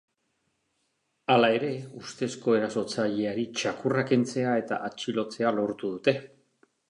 Hala ere, ustezko erasotzaileari txakurra kentzea eta atxilotzea lortu dute.